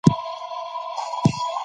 د پرمختګ لپاره ګډ حرکت پکار دی.